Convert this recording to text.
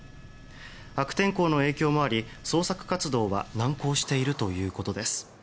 悪天候の影響もあり捜索活動は難航しているということです。